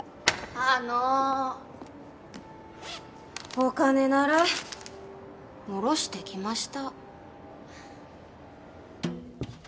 あのお金なら下ろしてきました